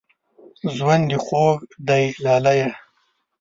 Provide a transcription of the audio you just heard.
ژوند دې خوږ دی لالیه